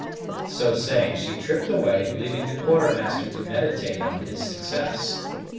So saying she tripped away, leaving the Quartermaster to meditate on his success.